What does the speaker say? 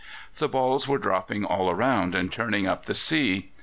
The balls were dropping all around and churning up the sea.